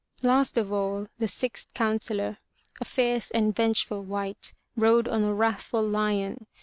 Last of all, the sixth counsellor, a fierce and vengeful wight, rode on a wrathful lion.